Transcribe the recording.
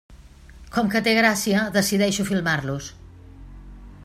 Com que té gràcia, decideixo filmar-los.